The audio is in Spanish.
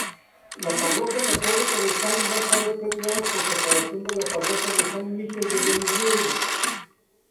La parroquia católica de Saint-Lazare fue creada por separación de la parroquia de Saint-Michel-de-Vaudreuil.